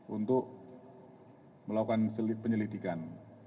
untuk melakukan penyelidikan